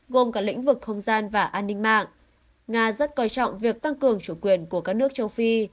gồm cả lĩnh vực không gian và an ninh mạng nga rất coi trọng việc tăng cường chủ quyền của các nước châu phi